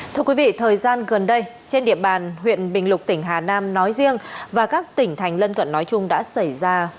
thưa quý vị thời gian gần đây trên địa bàn huyện bình lục tỉnh hà nam nói riêng và các tỉnh thành lân cận nói chung đã xảy ra